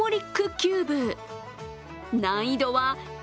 キューブ